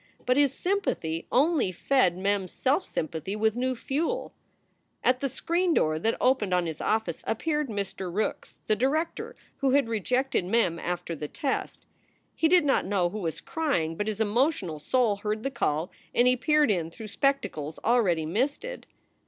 But his sympathy only fed Mem s self sympathy with new fuel. At the screen door that opened on his office appeared Mr. Rookes, the director who had rejected Mem after the test. He did not know who was crying, but his emotional soul heard the call and he peered in through spectacles already misted.